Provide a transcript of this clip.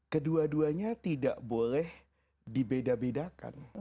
kedua duanya tidak boleh dibeda bedakan